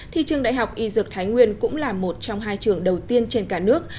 thì trường đại học y dược thái nguyên cũng là một trong hai trường đầu tiên trên cả nước